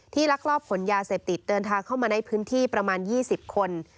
ลักลอบขนยาเสพติดเดินทางเข้ามาในพื้นที่ประมาณ๒๐คน